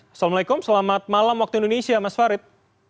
assalamualaikum selamat malam waktu indonesia mas farid